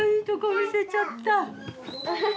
見せちゃった。